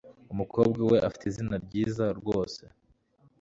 Umukobwa we afite izina ryiza rwose.